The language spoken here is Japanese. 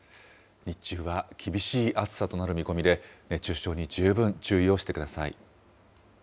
日中は厳しい暑さとなる見込みで、熱中症に十分注意をしてください。